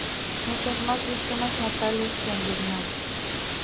Muchas más víctimas mortales que en Vietnam.